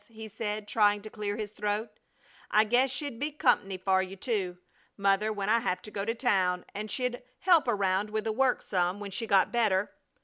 he said, trying to clear his throat. "I guess she'd be com'ny for you, too, Mother, when I have to go to town, and she'd help around with the work some when she got better."